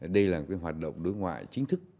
đây là một hoạt động đối ngoại chính thức